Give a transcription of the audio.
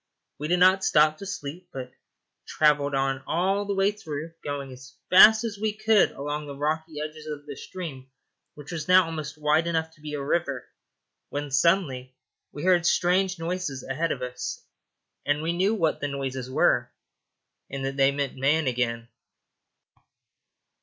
We did not stop to sleep, but travelled on all through the day, going as fast as we could along the rocky edges of the stream, which was now almost wide enough to be a river, when suddenly we heard strange noises ahead of us, and we knew what the noises were, and that they meant man again.